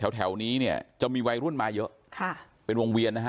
แถวนี้เนี่ยจะมีวัยรุ่นมาเยอะค่ะเป็นวงเวียนนะฮะ